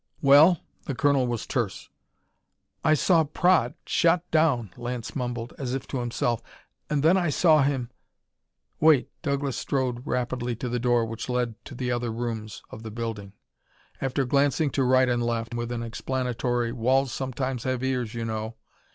"Well?" The colonel was terse. "I saw Praed shot down," Lance mumbled, as if to himself, "and then I saw him " "Wait!" Douglas strode rapidly to the door which led to the other rooms of the building. After glancing to right and left, with an explanatory "Walls sometimes have ears, you know!"